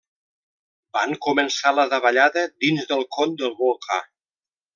Van començar la davallada dins del con del volcà.